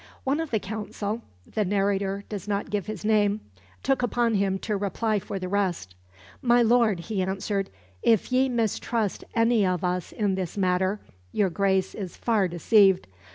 One of the Council the narrator does not give his name took upon him to reply for the rest. "My Lord," he answered, "if ye mistrust any of us in this matter your Grace is far deceived.